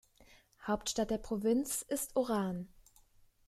Hauptstadt der Provinz ist Oran.